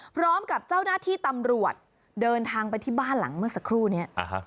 พร้อมกับเจ้าหน้าที่ตำรวจเดินทางไปที่บ้านหลังเมื่อสักครู่นี้